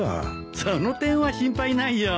その点は心配ないよ。